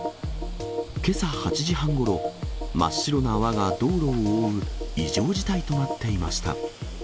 けさ８時半ごろ、真っ白な泡が道路を覆う異常事態となっていました。